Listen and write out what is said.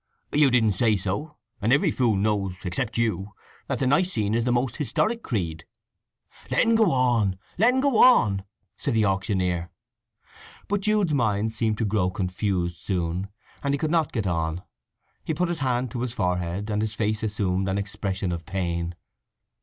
"You didn't say so! And every fool knows, except you, that the Nicene is the most historic creed!" "Let un go on, let un go on!" said the auctioneer. But Jude's mind seemed to grow confused soon, and he could not get on. He put his hand to his forehead, and his face assumed an expression of pain.